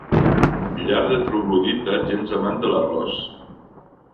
Llar de troglodita gens amant de l'arròs.